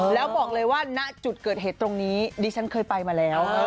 แล้วบอกเลยว่าณจุดเกิดเหตุตรงนี้ดิฉันเคยไปมาแล้ว